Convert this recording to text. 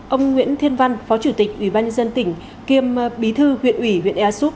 ông nguyễn thiên văn phó chủ tịch ủy ban nhân dân tỉnh kiêm bí thư huyện ủy huyện ersup